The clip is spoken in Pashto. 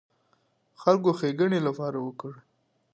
خلکو ښېګڼې لپاره وکړ.